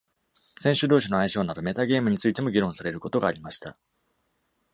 選手同士の相性など、「メタゲーム」についても議論されることがありました。